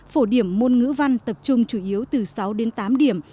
phổ điểm môn ngữ văn tập trung chủ yếu từ sáu đến tám điểm